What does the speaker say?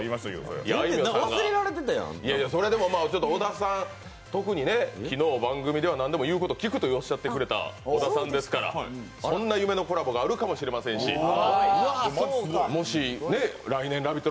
小田さん、特に番組では何でも言うこと聞くと言ってくださった小田さんですからそんな夢のコラボがあるかもしれませんしもし来年ＬＯＶＥＩＴ！